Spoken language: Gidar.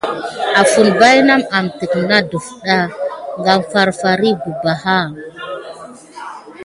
Afən baynawa amet ne ɗifta farfar kiy ɓubaha.